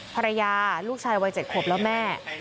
ภรรยาลูกชายวัย๗ขวบแล้วแม่